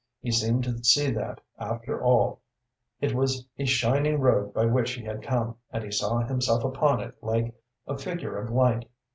He seemed to see that, after all, it was a shining road by which he had come, and he saw himself upon it like a figure of light.